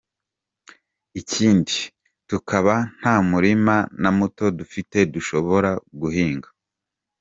Ikindi ,tukaba nta murima na muto dufite dushobora guhinga.